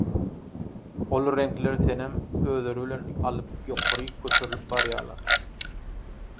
ol reňkler senem özleri bilen alyp ýokaryk göterlip barýarlar.